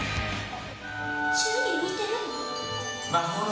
宙に浮いてるの？